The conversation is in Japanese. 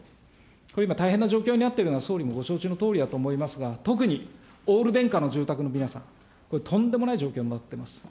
これ今、大変な状況になってるのは、総理もご承知のとおりだと思いますが、特にオール電化の住宅の皆さん、これ、とんでもない状況になってます。